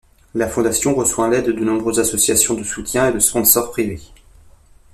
La Fondation reçoit l'aide de nombreuses associations de soutien et de sponsors privés.